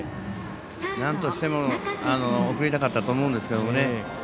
なんとしても送りたかったと思うんですけどね。